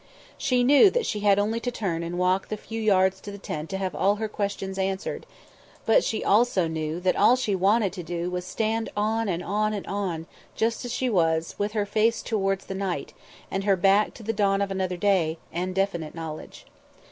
She knew that she had only to turn and walk the few yards to the tent to have all her questions answered, but she also knew that all she wanted to do was to stand on and on and on, just as she was, with her face towards the night, and her back to the dawn of another day, and definite knowledge.